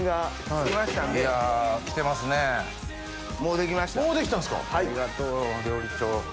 ありがとう料理長。